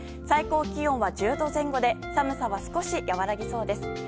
最高気温は１０度前後で寒さは少し和らぎそうです。